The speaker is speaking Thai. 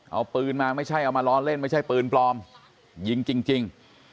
เอาปืนมาไม่ใช่เอามาล้อเล่นไม่ใช่ปืนปลอมยิงจริง